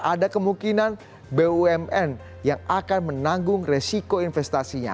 ada kemungkinan bumn yang akan menanggung resiko investasinya